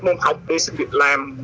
môn học đi sinh viên làm